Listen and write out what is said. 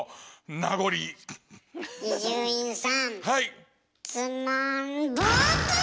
はい！